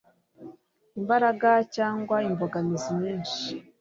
imbaraga cyangwa imbogamizi nyinshi